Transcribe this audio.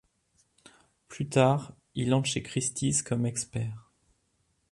Plus tard, il entre chez Christie's comme expert.